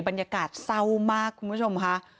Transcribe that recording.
บรรยากาศเศร้ามากคุณผู้ชมค่ะ